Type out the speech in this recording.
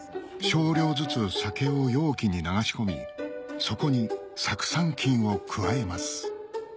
少量ずつ酒を容器に流し込みそこに酢酸菌を加えます